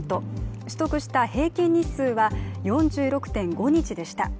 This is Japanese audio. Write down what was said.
取得した平均日数は４６．５日でした。